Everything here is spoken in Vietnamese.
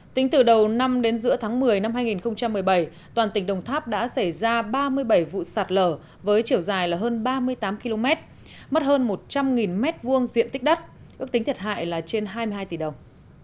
tính từ đầu năm đến giữa tháng một mươi năm hai nghìn một mươi bảy toàn tỉnh đồng tháp đã xảy ra ba mươi bảy vụ sạt lở với chiều dài hơn ba mươi tám km mất hơn một trăm linh m hai diện tích đất ước tính thiệt hại là trên hai mươi hai tỷ đồng